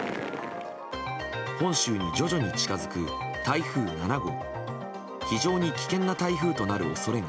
本州に徐々に近づく台風７号。